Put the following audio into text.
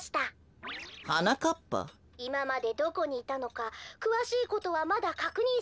「いままでどこにいたのかくわしいことはまだかくにんされていません」。